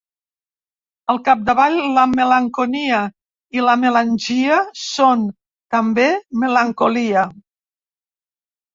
Al capdavall, la malenconia i la melangia són, també, melancolia.